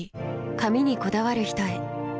髪にこだわる人へ。